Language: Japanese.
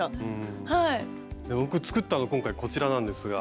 僕作ったの今回こちらなんですが。